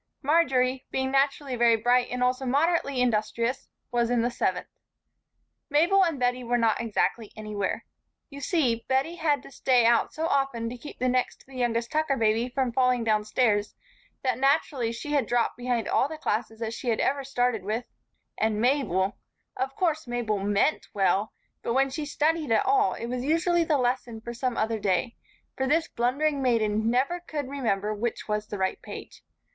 Marjory, being naturally very bright and also moderately industrious, was in the seventh. Mabel and Bettie were not exactly anywhere. You see, Bettie had had to stay out so often to keep the next to the youngest Tucker baby from falling downstairs, that naturally she had dropped behind all the classes that she had ever started with; and Mabel of course Mabel meant well, but when she studied at all it was usually the lesson for some other day; for this blundering maiden never could remember which was the right page.